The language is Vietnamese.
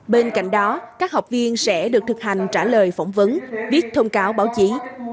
bên cạnh đó các học viên sẽ được thực hành trả lời phỏng vấn viết thông cáo báo chí